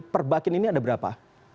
perbakin ini ada berapa